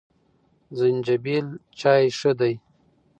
زنجبیل چای ښه دی.